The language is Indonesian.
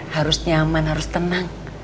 harus nyaman harus tenang